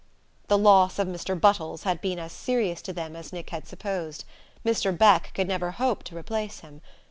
The loss of Mr. Buttles had been as serious to them as Nick had supposed: Mr. Beck could never hope to replace him.